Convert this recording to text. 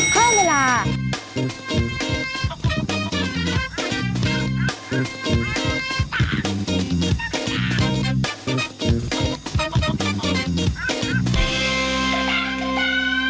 ข้อมูลล่ะ